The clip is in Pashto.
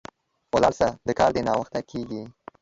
ولاړ سه، د کار دي ناوخته کیږي